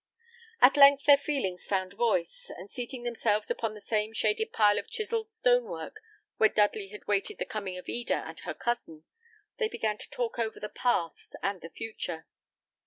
At length their feelings found voice; and seating themselves upon the same shaded pile of chiselled stone work where Dudley had waited the coming of Eda and her cousin, they began to talk over the past and the future.